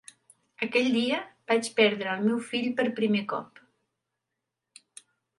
Aquell dia vaig perdre el meu fill per primer cop.